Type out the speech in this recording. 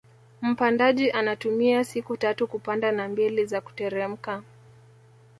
Mpandaji anatumia siku tatu kupanda na mbili za kuteremka